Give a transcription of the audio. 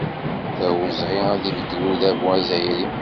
D awezɣi ad ibeddel udabu azzayri.